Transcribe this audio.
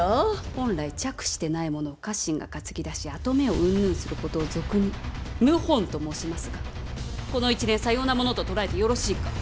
本来嫡子でないものを家臣が担ぎ出し跡目をうんぬんすることを俗に謀反と申しますがこの一連さようなものと捉えてよろしいか！